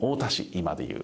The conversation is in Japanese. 今で言う。